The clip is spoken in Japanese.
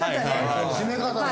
締め方ね。